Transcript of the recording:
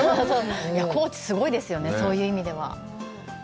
高知、すごいですよね、そういう意味では。